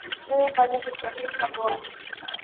Wewe bado hujafika bwana